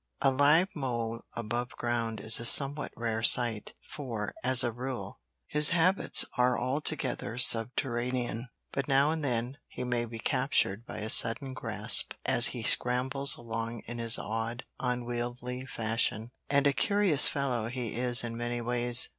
A live mole above ground is a somewhat rare sight, for, as a rule, his habits are altogether subterranean; but now and then he may be captured by a sudden grasp as he scrambles along in his odd, unwieldly fashion, and a curious fellow he is in many ways.